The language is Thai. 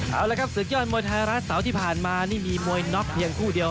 เอาละครับศึกยอดมวยไทยรัฐเสาร์ที่ผ่านมานี่มีมวยน็อกเพียงคู่เดียว